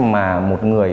mà một người